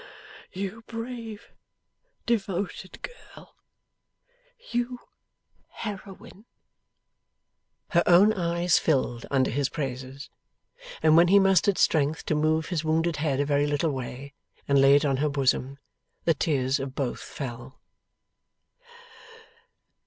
You brave devoted girl! You heroine!' Her own eyes filled under his praises. And when he mustered strength to move his wounded head a very little way, and lay it on her bosom, the tears of both fell.